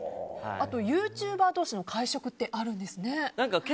あとユーチューバー同士の会食ってあるんですね。